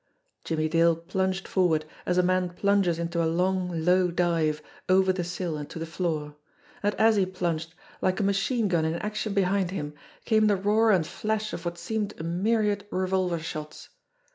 Jimmie Dale plunged forward, as a man plunges in a long, low dive, over the sill and to the floor. And as he plunged, like a "nachiaf THE CAT'S PAW 151 gun in action behind him, came the roar and flash of what seemed a myriad revolver shots.